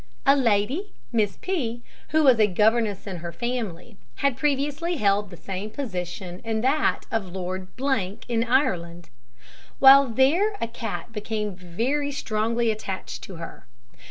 A lady, Miss P , who was a governess in her family, had previously held the same position in that of Lord , in Ireland. While there a cat became very strongly attached to her.